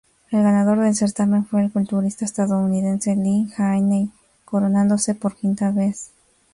El ganador del certamen fue el culturista estadounidense Lee Haney, coronándose por quinta vez.